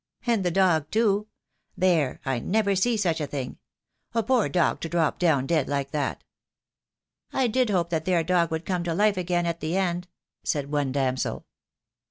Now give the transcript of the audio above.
And the dog too! There, I never see such a thing! A poor dog to drop down dead, like that." "I did hope that there dog would come to life again at the end," said one damsel.